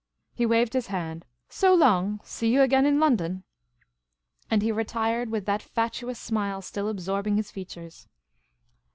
He waved his hand. " So long ! See yah again in London." And he retired, with that fatuous smile still absorbing his features.